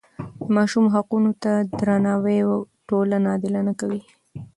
د ماشوم حقونو ته درناوی ټولنه عادلانه کوي.